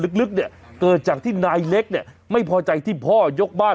ลึกเนี่ยเกิดจากที่นายเล็กเนี่ยไม่พอใจที่พ่อยกบ้าน